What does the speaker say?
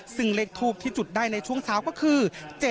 ซึ่งเลขทูปที่จุดได้ในช่วงเช้าก็คือ